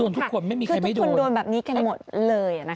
ก็โดนทุกคนไม่มีใครไม่โดนคือทุกคนโดนแบบนี้กันหมดเลยนะคะ